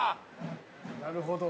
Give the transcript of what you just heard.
なるほど。